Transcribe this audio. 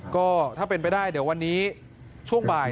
ก็ถ้าเป็นไปได้เดี๋ยววันนี้ช่วงบ่าย